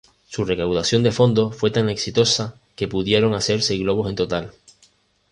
Su recaudación de fondos fue tan exitosa que pudieron hacer seis globos en total.